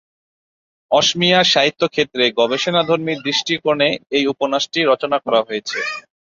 অসমীয়া সাহিত্য ক্ষেত্রে গবেষণাধর্মী দৃষ্টিকোণে এই উপন্যাসটি রচনা করা হয়েছে।